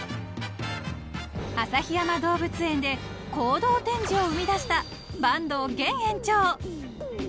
［旭山動物園で行動展示を生み出した］